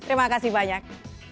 terima kasih banyak